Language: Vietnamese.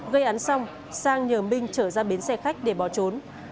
gây án xong sang nhờ minh trở ra bến xe khách để bỏ trốn